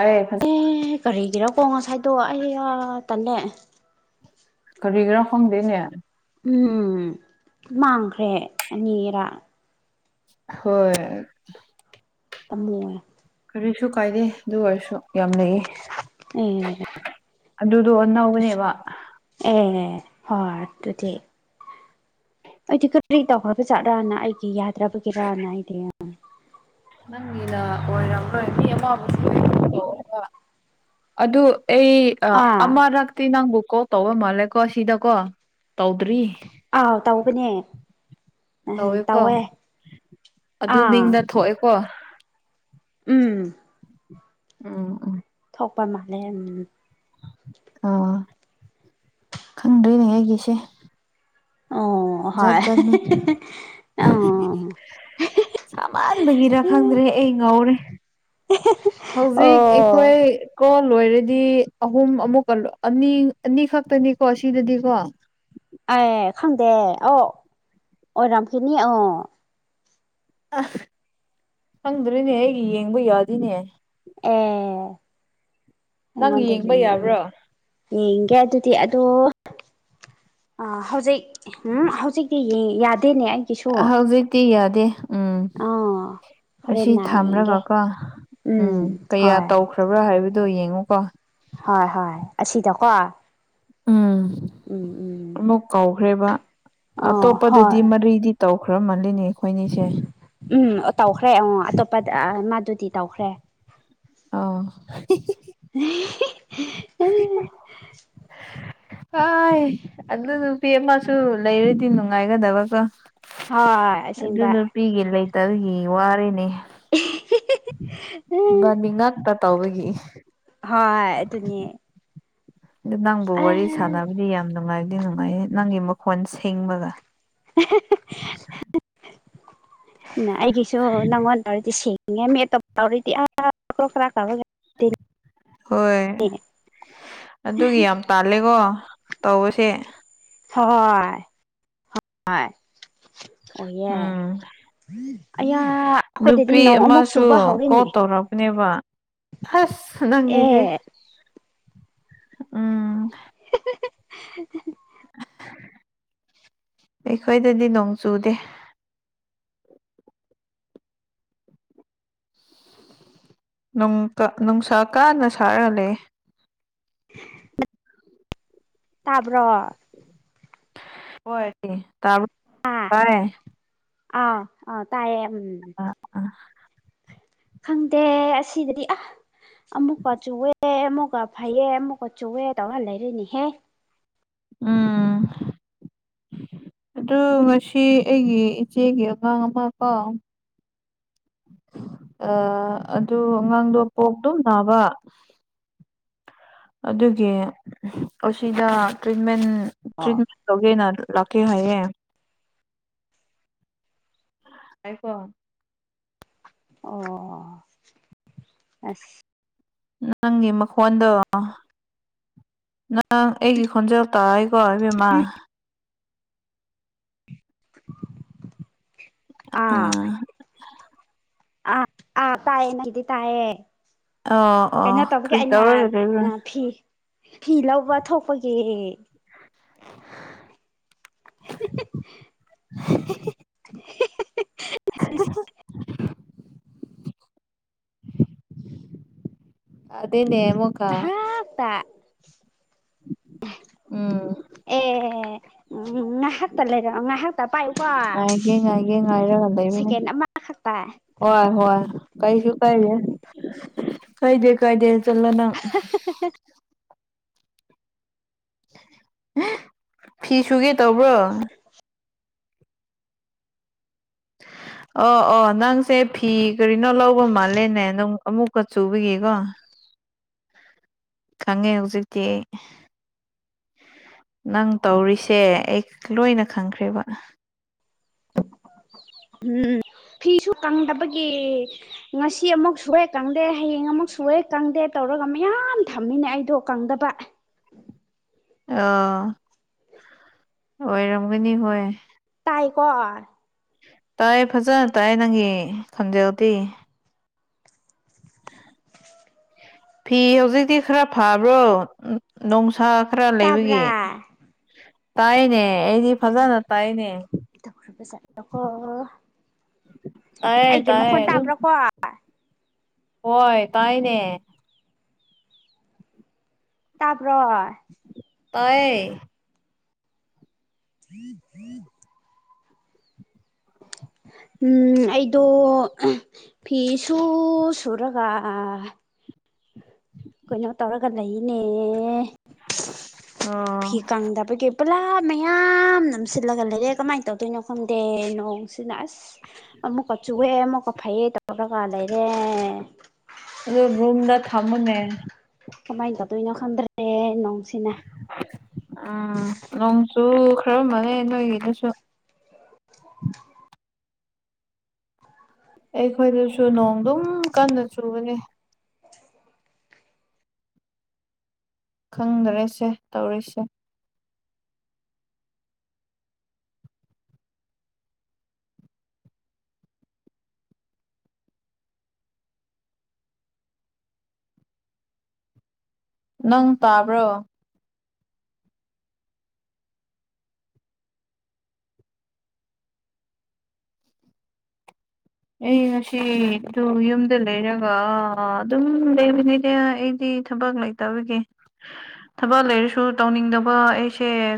ꯑꯌꯦ ꯈꯖ ꯑꯦ ꯀꯔꯤꯒꯤꯔꯀꯣ ꯉꯁꯥꯏꯗꯣ ꯑꯩꯌꯥ ꯇꯜꯂꯦ ꯀꯔꯤꯔ ꯈꯪꯗꯦꯅꯦ ꯎꯝ ꯃꯥꯡꯈ꯭ꯔꯦ ꯑꯅꯤꯔꯥ ꯍꯣꯏ ꯇꯝꯃꯣꯌꯦ ꯀꯔꯤꯁꯨ ꯀꯥꯏꯗꯦ ꯗꯨ ꯑꯣꯏꯔꯁꯨ ꯌꯥꯝ ꯂꯩꯌꯦ ꯎꯝ ꯑꯗꯨꯗꯣ ꯗꯨꯁꯨ ꯑꯅꯧꯕꯅꯦꯕ ꯑꯦ ꯍꯣꯏ ꯗꯨ ꯗꯤ ꯑꯩꯗꯤ ꯀꯔꯤ ꯇꯧꯈ꯭ꯔꯕ ꯖꯥꯠꯔꯥꯅ ꯑꯩꯒꯤ ꯌꯥꯗ꯭ꯔꯕꯒꯤꯔꯅ ꯑꯩꯗꯤ ꯅꯪꯒꯤꯅ ꯑꯣꯏꯔꯝꯔꯣꯏ ꯃꯤ ꯑꯃ [unintelligible] ꯑꯗꯨ ꯑꯩ ꯑ ꯑꯥ ꯑꯃꯔꯛꯇꯤ ꯅꯪꯕꯨ ꯀꯣꯜ ꯇꯧꯕ ꯃꯥꯜꯂꯦꯀꯣ ꯁꯤꯗꯀꯣ ꯇꯧꯗ꯭ꯔꯤ ꯑꯥꯎ ꯇꯧꯕꯅꯦ ꯇꯧꯋꯦꯀꯣ ꯇꯧꯋꯦ ꯑꯗꯨ ꯑꯥ ꯃꯤꯡꯗ ꯊꯣꯛꯑꯦꯀꯣ ꯎꯝ ꯎꯝ ꯎꯝ ꯊꯣꯛꯄ ꯃꯥꯜꯂꯦꯝ ꯑꯥ ꯈꯪꯗ꯭ꯔꯦꯅꯦ ꯑꯩꯒꯤꯁꯦ ꯖꯥꯠ ꯑꯣ ꯖꯥꯠꯅꯤ ꯍꯣꯢ [unintelligible] ꯁꯃꯥꯟꯕꯒꯤꯔ ꯈꯪꯗ꯭ꯔꯦ ꯑꯩ ꯉꯧꯔꯦ ꯍꯧꯖꯤꯛ ꯑꯣ ꯑꯩꯈꯣꯏ ꯀꯣ ꯂꯣꯏꯔꯗꯤ ꯑꯍꯨꯝ ꯑꯃꯨꯛꯀ ꯂꯣ ꯑꯅꯤ ꯑꯅꯤ ꯈꯛꯇꯅꯤꯀꯣ ꯁꯤꯗꯗꯤꯀꯣ ꯑꯦ ꯈꯪꯗꯦ ꯑꯥꯎ ꯑꯣꯔꯝꯈꯤꯅꯤ ꯑꯣ ꯑ ꯈꯪꯗ꯭ꯔꯦꯅꯦ ꯑꯩꯒꯤ ꯌꯦꯡꯕ ꯌꯥꯗꯦꯅꯦ ꯑꯦ ꯅꯪ ꯑꯩꯉꯣꯟꯗ ꯌꯦꯡꯕ ꯌꯥꯕ꯭ꯔꯣ ꯌꯥꯏ ꯌꯦꯡꯒꯦ ꯑꯗꯨꯗꯤ ꯑꯗꯣ ꯑ ꯍꯧꯖꯤꯛ ꯍꯨꯝ ꯍꯧꯖꯤꯛꯇꯤ ꯌꯦ ꯌꯥꯗꯦꯅꯦ ꯑꯩ ꯑ ꯍꯧꯖꯤꯛꯇꯤ ꯌꯥꯗꯦ ꯎꯝ ꯑꯥ ꯑꯁꯤ ꯍꯣꯔꯦꯟꯅ ꯌꯦꯡꯒꯦ ꯊꯝꯔꯒꯀꯣ ꯎꯝ ꯀꯌꯥ ꯇꯧ ꯔꯕ꯭ꯔꯥ ꯍꯥꯏꯕꯗꯨ ꯌꯦꯡꯉꯨꯀꯣ ꯍꯣꯏ ꯍꯣꯏ ꯑꯁꯤꯗꯀꯣ ꯎꯝ ꯎꯝ ꯎꯝ ꯑꯃꯨꯛ ꯀꯧꯈ꯭ꯔꯦꯕ ꯑꯣ ꯑꯇꯣꯞꯄꯗꯗꯤ ꯍꯣꯏ ꯃꯔꯤꯗꯤ ꯇꯧꯈ꯭ꯔ ꯃꯥꯜꯂꯤꯅꯤ ꯑꯩꯈꯣꯏꯅꯤꯁꯦ ꯎꯝ ꯑ ꯇꯧꯈ꯭ꯔꯦ ꯉꯣ ꯑꯇꯣꯞꯄ ꯑ ꯃꯥꯗꯨꯗꯤ ꯇꯧꯈ꯭ꯔꯦ ꯑ [unintelligible] ꯑꯣꯏ ꯑꯗꯨ ꯅꯨꯄꯤ ꯑꯃꯥꯁꯨ ꯂꯩꯔꯗꯤ ꯅꯨꯡꯉꯥꯏꯒꯗꯕꯀꯣ ꯍꯣꯏ ꯑꯗꯨ ꯑꯁꯦꯡꯕ ꯅꯨꯄꯤꯒꯤ ꯂꯩꯇꯕꯒꯤ ꯋꯥꯔꯦꯅꯦ ꯕꯥꯅꯤ ꯉꯥꯛꯇ ꯇꯧꯕꯒꯤ ꯍꯥ ꯑꯗꯨꯅꯦ ꯑꯗꯨ ꯅꯪꯕꯨ ꯑ ꯋꯥꯔꯤ ꯁꯥꯟꯅꯕꯗꯤ ꯌꯥꯝ ꯅꯨꯡꯉꯥꯏꯗꯤ ꯅꯨꯡꯉꯥꯏ ꯅꯪꯒꯤ ꯃꯈꯣꯟ ꯁꯦꯡ ꯕꯒ [unintelligible] ꯎ [inaudible] ꯑꯩꯒꯤꯁꯨ ꯅꯪꯉꯣꯟ ꯇꯧꯔꯗꯤ ꯁꯤ [inaudible] ꯍꯣꯏ ꯑꯗꯨꯒꯤ ꯌꯥꯝ ꯇꯥꯜꯂꯦꯀꯣ ꯇꯧꯕꯁꯦ ꯍꯣꯏ ꯍꯣꯏ ꯎꯝ ꯑꯌꯥ ꯑꯩꯈꯣꯏꯗꯗꯤ ꯅꯨꯄꯤ ꯅꯣꯡ ꯑꯃꯨꯛ ꯑꯃꯁꯨ ꯆꯨꯕ ꯍꯧꯔꯦꯅꯦ ꯀꯣꯜ ꯇꯧꯔꯛꯄꯅꯦꯕ ꯑꯁ ꯅꯪꯒꯤꯖꯤ ꯑꯦ ꯎꯝ [unintelligible] ꯑꯩꯈꯣꯏꯗꯗꯤ ꯅꯣꯡ ꯆꯨꯗꯦ ꯅꯨꯡ ꯇ ꯅꯨꯡꯁꯥ ꯀꯥꯟꯅ ꯁꯥꯔ ꯂꯩꯌꯦ ꯇꯥꯕ꯭ꯔꯣ ꯍꯣ [unintelligible] ꯑꯥ ꯑꯧ ꯑ ꯇꯥꯏꯌꯦ ꯎꯝ ꯑ [unintelligible] ꯈꯪꯗꯦ ꯑꯁꯤꯗꯗꯤ ꯑ ꯑꯃꯨꯛꯀꯆꯨꯋꯦ ꯑꯦ ꯑꯃꯨꯛꯀ ꯐꯩꯌꯦ ꯑꯃꯨꯛꯀ ꯆꯨꯋꯦ ꯇꯧꯔ ꯂꯩꯔꯤꯅꯤꯍꯦ ꯎꯝ ꯑꯗꯨ ꯃꯁꯤ ꯑꯩꯒꯤ ꯏꯆꯦꯒꯤ ꯑꯉꯥꯡ ꯑꯃ ꯀꯣ ꯑ ꯑꯗꯨ ꯑꯉꯥꯡꯗꯣ ꯄꯣꯛꯇꯣ ꯅꯥꯕ ꯑꯗꯨꯒꯤ ꯑꯁꯤꯗ ꯇ꯭ꯔꯤꯠꯃꯦꯟ ꯑꯣ ꯇꯧꯒꯦꯅ ꯂꯥꯛꯀꯦ ꯍꯥꯏꯌꯦ ꯑꯩꯀꯣ ꯑꯣ ꯑꯁ ꯅꯪꯒꯤ ꯃꯈꯣꯟꯗꯣ ꯅꯪ ꯑꯩꯒꯤ ꯈꯣꯟꯖꯦꯜ ꯇꯥꯏ ꯀꯣ ꯏꯕꯦꯝꯃꯥ ꯑꯥ ꯍ ꯑꯥ ꯑꯥ ꯇꯥꯏꯌꯦ ꯅꯪꯗꯤ ꯇꯥꯏꯌꯦ ꯑꯣ ꯑꯣ ꯀꯩꯅꯣ ꯇꯧꯕꯒꯤ ꯀꯔꯤ ꯑꯩꯅ ꯇꯧꯔꯒ ꯂꯩꯕ꯭ꯔꯥ ꯐꯤ ꯐꯤ ꯂꯧꯕ ꯊꯣꯛꯄꯒꯤ [unintelligible] [unintelligible] ꯑꯗꯨꯏꯅꯦ ꯑꯃꯣꯛꯀ ꯉꯥꯏꯍꯥꯛꯇ ꯎꯝ ꯑꯦ ꯎꯝ ꯉꯥꯏꯍꯥꯛꯇ ꯂꯩꯔ ꯉꯥꯏꯍꯥꯛꯇ ꯄꯥꯏꯌꯨꯀꯣ ꯍꯥꯏꯔꯒꯥ ꯂꯩꯕꯅꯦ ꯁꯦꯀꯦꯟ ꯑꯃꯈꯛꯇ ꯍꯣꯏ ꯍꯣꯏ ꯀꯩꯁꯨꯀꯥꯏꯗꯦ ꯀꯥꯏꯗꯦ ꯀꯥꯏꯗꯦ ꯆꯠꯂꯣ ꯅꯪ [unintelligible] ꯐꯤ ꯁꯨꯒꯦ ꯇꯧꯕ꯭ꯔꯣ ꯑꯣ ꯑꯣ ꯅꯪꯁꯦ ꯐꯤ ꯀꯔꯤꯅꯣ ꯂꯧꯕ ꯃꯥꯜꯂꯦꯅꯦ ꯅꯪ ꯑꯃꯨꯛ ꯈꯨꯠ ꯆꯨꯕꯥꯒꯤꯒꯣ ꯈꯪꯉꯦ ꯍꯧꯖꯤꯛꯇꯤ ꯅꯪ ꯇꯧꯔꯤꯁꯦ ꯑꯩ ꯂꯣꯏꯅ ꯈꯪꯈ꯭ꯔꯦꯕ [inaudible] ꯎꯝ ꯐꯤꯁꯨ ꯀꯪꯗꯕꯒꯤ ꯉꯁꯤ ꯑꯃꯨꯛ ꯁꯨꯔꯦ ꯀꯪꯗꯦ ꯍꯌꯦꯡ ꯑꯃꯨꯛ ꯁꯨꯔꯦ ꯀꯪꯗꯦ ꯇꯧꯔꯒ ꯃꯌꯥꯝ ꯊꯝꯃꯤꯅꯦ ꯑꯩꯗꯣ ꯀꯪꯗꯕ ꯑꯥ ꯑꯣꯏꯔꯝꯒꯅꯤ ꯍꯣꯏ ꯇꯥꯏꯀꯣ ꯇꯥꯏꯌꯦ ꯐꯖꯅ ꯇꯥꯏꯌꯦ ꯅꯪꯒꯤ ꯈꯣꯟꯖꯦꯜꯗꯤ ꯐꯤ ꯍꯧꯖꯤꯛꯇꯤ ꯈꯔꯥ ꯐꯥꯕ꯭ꯔꯣ ꯅꯨꯡꯁꯥ ꯈꯔ ꯂꯩꯕꯒꯤ ꯇꯥꯏꯌꯦꯅꯦ ꯇꯧꯔꯒꯥ ꯆꯠꯂꯣꯀꯣ ꯇꯥꯏꯌꯦ ꯑꯩꯒꯤ ꯃꯈꯣꯟ ꯇꯥꯏꯌꯦ ꯑꯗꯨꯝ ꯇꯥꯕ꯭ꯔꯥꯀꯣ ꯍꯣꯏ ꯇꯥꯏꯌꯦꯅꯦ ꯇꯥꯕ꯭ꯔꯣ ꯇꯥꯏꯌꯦ [unintelligible] ꯎꯝ ꯑꯩꯗꯣ ꯐꯤꯁꯨ ꯁꯨꯔꯒꯥ ꯀꯩꯅꯣ ꯇꯧꯔꯒ ꯂꯩꯅꯦ [unintelligible] ꯐꯤ ꯀꯪꯗꯕꯒꯤ ꯄꯨꯂꯥꯞ ꯃꯌꯥꯝ ꯅꯝꯁꯤꯜꯂꯒ ꯂꯩꯔꯦ ꯀꯃꯥꯏꯅ ꯇꯧꯗꯣꯏꯅꯣ ꯈꯪꯗꯦ ꯅꯣꯡꯁꯤꯅ ꯑꯁ ꯑꯃꯨꯛꯀ ꯆꯨꯋꯦ ꯑꯃꯨꯛꯀ ꯐꯩꯌꯦ ꯇꯧꯔꯒ ꯂꯩꯔꯦ ꯑꯗꯨ ꯔꯨꯝꯗ ꯊꯝꯃꯨ ꯅꯦ ꯀꯃꯥꯏꯟ ꯇꯧꯗꯣꯏꯅꯣ ꯈꯪꯗ꯭ꯔꯦ ꯅꯣꯡꯁꯤꯅ ꯑꯥ ꯅꯣꯡꯁꯨ ꯈꯔ ꯃꯪꯉꯦ ꯅꯣꯏꯒꯤꯗꯁꯨ ꯑꯩꯈꯣꯏꯗꯨꯁꯨ ꯅꯣꯡ ꯗꯨꯝ ꯀꯟꯅ ꯆꯨꯕꯅꯦ ꯈꯪꯗꯔꯦꯁꯦ ꯇꯧꯔꯤꯁꯦ ꯅꯪ ꯇꯥꯕ꯭ꯔꯣ ꯑꯩ ꯉꯁꯤ ꯗꯨ ꯌꯨꯝꯗ ꯂꯩꯔꯒꯥ ꯑꯗꯨꯝ ꯂꯩꯕꯅꯤꯗ ꯑꯩꯗꯤ ꯊꯕꯛ ꯂꯩ ꯇꯧꯕꯒꯤ ꯊꯕꯛ ꯂꯩꯔꯁꯨ ꯇꯧꯅꯤꯡꯗꯕ ꯑꯩꯁꯦ